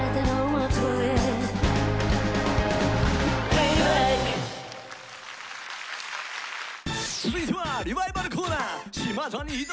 続いてはリバイバルコーナー！